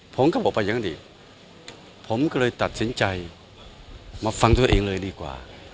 ผมก็บอกว่าอย่างนั้นดีผมก็เลยตัดสินใจมาฟังตัวเองเลยดีกว่า